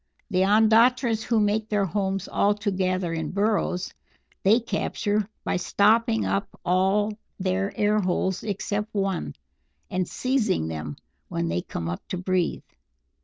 The Ondatras who make their homes altogether in burrows, they capture by stopping up all their air holes except one, and seizing them when they come up to breathe.